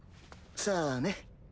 さあね。